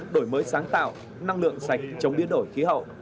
đổi mới sáng tạo năng lượng sạch chống biến đổi khí hậu